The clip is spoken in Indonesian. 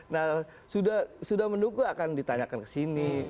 nah sudah mendukung akan ditanyakan ke sini